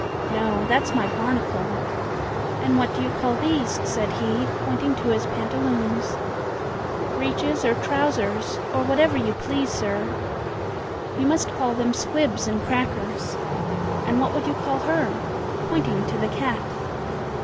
"No, that's my 'barnacle.' And what do you call these?" said he, pointing to his pantaloons. "Breeches or trousers, or whatever you please, sir." "You must call them 'squibs and crackers,' And what would you call her?" pointing to the cat.